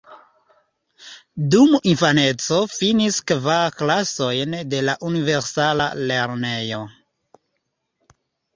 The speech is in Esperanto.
Dum infaneco finis kvar klasojn de la universala lernejo.